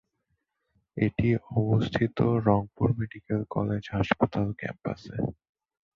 এটি অবস্থিত Rangpur medical college হাসপাতাল ক্যাম্পাসে।